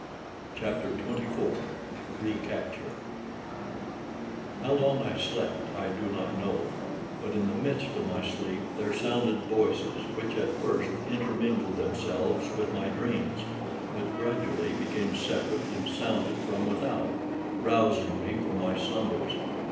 CHAPTER XXIV RECAPTURE How long I slept I do not know; but in the midst of my sleep there sounded voices, which at first intermingled themselves with my dreams, but gradually became separate and sounded from without, rousing me from my slumbers.